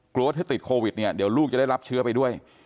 ว่าถ้าติดโควิดเนี่ยเดี๋ยวลูกจะได้รับเชื้อไปด้วย